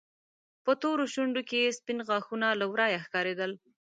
په تورو شونډو کې يې سپين غاښونه له ورايه ښکارېدل.